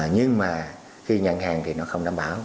nhưng mà khi nhận hàng thì nó không đảm bảo